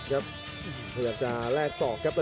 โยกขวางแก้งขวา